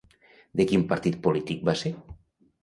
De quin partit polític va ser?